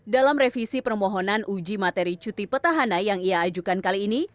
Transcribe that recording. dalam revisi permohonan uji materi cuti petahana yang ia ajukan kali ini